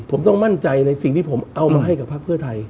ผมต้องมั่นใจในสิ่งที่ผมเอามาให้กับภาคเพื่อไทย